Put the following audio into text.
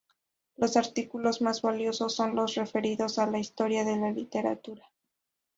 Los artículos más valiosos son los referidos a la historia de la literatura.